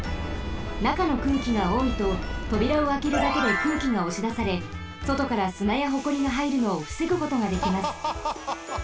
なかの空気がおおいととびらをあけるだけで空気がおしだされそとからすなやホコリがはいるのをふせぐことができます。